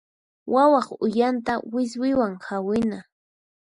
Wawaq uyanta wiswiwan hawina.